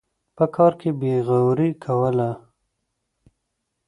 په کار کې بېغوري کوله.